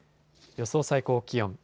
予想最高気温。